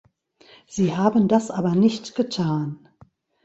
Sie haben das aber nicht getan.